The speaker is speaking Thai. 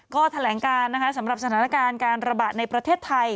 ก็แถลงการนะคะสำหรับสถานการณ์การระบาดในประเทศไทย